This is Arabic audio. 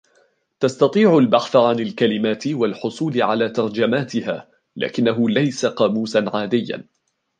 تستطيع البحث عن الكلمات والحصول على ترجماتها. لكنه ليس قاموسًا عاديًّا.